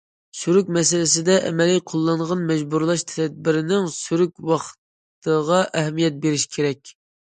سۈرۈك مەسىلىسىدە ئەمەلىي قوللانغان مەجبۇرلاش تەدبىرىنىڭ سۈرۈك ۋاقتىغا ئەھمىيەت بېرىش كېرەك.